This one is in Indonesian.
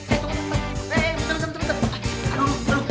aduh belum belum